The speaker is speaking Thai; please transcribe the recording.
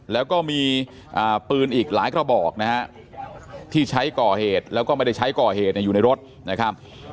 แล้วก็มีปืนอีกหลายกระบอกนะฮะที่ใช้ก่อเหตุแล้วก็ไม่ได้ใช้ก่อเหตุอยู่ในรถนะครับ